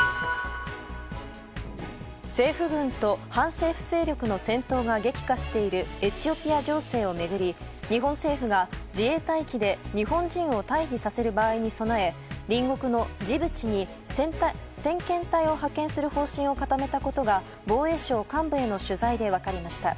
政府軍と反政府勢力との戦闘が激化しているエチオピア情勢を巡り日本政府が自衛隊機で日本人を退避させる場合に備え隣国のジブチに先遣隊を派遣する方針を固めたことが防衛省幹部への取材で分かりました。